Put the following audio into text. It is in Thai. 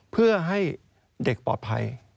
เพื่อให้เด็กปลอดภัย